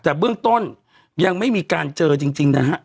แต่เบื้องต้นยังไม่มีการเจอจริงนะฮะ